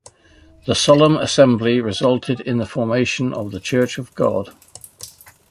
The "solemn assembly" resulted in the formation of The Church of God.